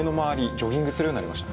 ジョギングするようになりました。